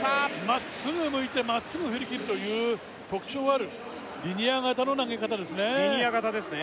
まっすぐ向いてまっすぐ振り切るという特徴あるリニア型の投げ方ですねリニア型ですね